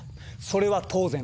それは当然。